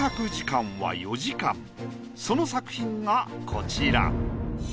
その作品がこちら。